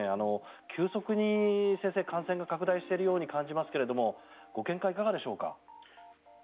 急速に先生、感染が拡大しているように感じますがご見解、いかがでしょうか？